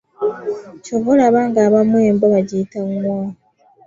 Ky'ova olaba ng'abamu embwa bagiyita "Ngwa"